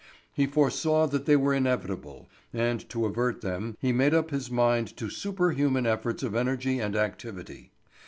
He foresaw that they were inevitable, and to avert them he made up his mind to superhuman efforts of energy and activity.